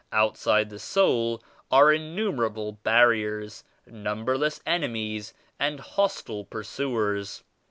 Outside the soul are innumerable barriers, num berless enemies and hostile pursuers.